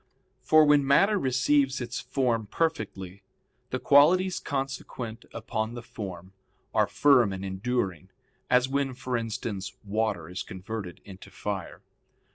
For when matter receives its form perfectly, the qualities consequent upon the form are firm and enduring; as when, for instance, water is converted into fire.